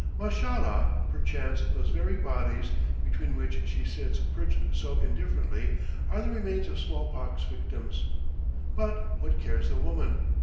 "Mashallah." perchance those very bodies, between which she sits perched so indifferently, are the remains of small pox victims. But, what cares the woman?